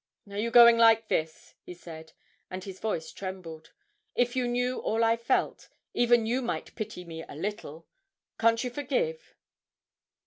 'Are you going like this?' he said, and his voice trembled. 'If you knew all I felt, even you might pity me a little! Can't you forgive?'